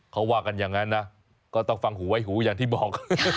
เขาว่ากันอย่างนั้นนะก็ต้องฟังหูไว้หูอย่างที่บอก